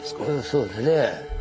そうですねえ。